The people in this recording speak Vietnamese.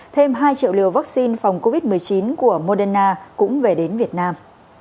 thêm hai triệu liều vaccine phòng covid một mươi chín của moderna cũng về đến việt nam